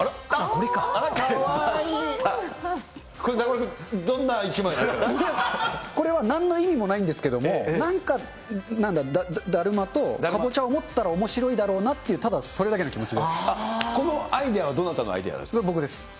これ、中丸君、どんな一枚でこれはなんの意味もないんですけれども、なんかだるまと、かぼちゃを持ったらおもしろいだろうなっていうただそれだけの気このアイデアはどなたのアイ僕です。